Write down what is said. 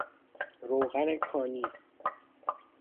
روغن کانی